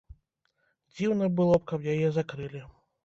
Дзіўна было б, каб яе закрылі.